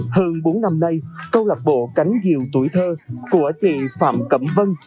hơn bốn năm nay câu lạc bộ cánh diều tuổi thơ của chị phạm cẩm vân